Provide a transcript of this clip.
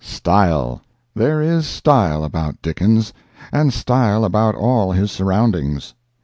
Style!—There is style about Dickens, and style about all his surroundings.